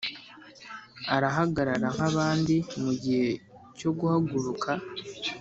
arahagarara nkabandi mugihe cyo guhaguruka